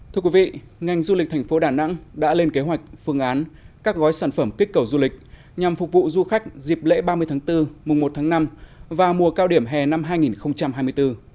thưa quý vị ngành du lịch thành phố đà nẵng đã lên kế hoạch phương án các gói sản phẩm kích cầu du lịch nhằm phục vụ du khách dịp lễ ba mươi tháng bốn mùa một tháng năm và mùa cao điểm hè năm hai nghìn hai mươi bốn